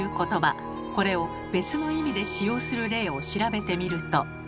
これを別の意味で使用する例を調べてみると。